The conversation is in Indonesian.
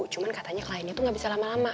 cuman katanya kliennya tuh gak bisa lama lama